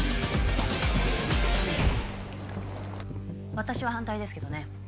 私は反対ですけどね。